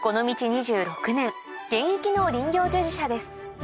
２６年現役の林業従事者です